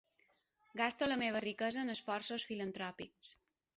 Gasto la meva riquesa en esforços filantròpics.